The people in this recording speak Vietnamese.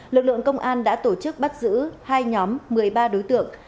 lực lượng công an đã tổ chức bắt giữ hai nhóm một mươi ba đối tượng